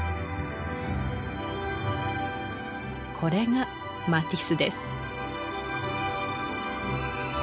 これがマティスです。